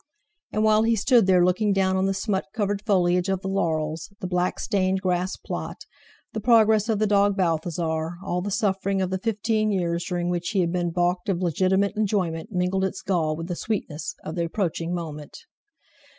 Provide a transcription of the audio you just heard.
And, while he stood there looking down on the smut covered foliage of the laurels, the black stained grass plot, the progress of the dog Balthasar, all the suffering of the fifteen years during which he had been baulked of legitimate enjoyment mingled its gall with the sweetness of the approaching moment.